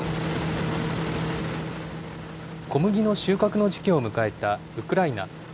小麦の収穫の時期を迎えたウクライナ。